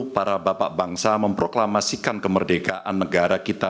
para bapak bangsa memproklamasikan kemerdekaan negara kita